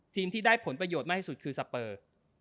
ที่ได้ผลประโยชน์มากที่สุดคือสเปอร์